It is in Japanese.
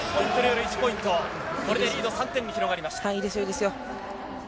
これでリードは３点に広がりました。